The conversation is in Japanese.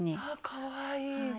かわいい！